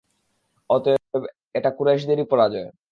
অতএব এটা কুরাইশদেরই পরাজয়।